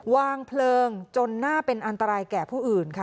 วางเพลิงจนน่าเป็นอันตรายแก่ผู้อื่นค่ะ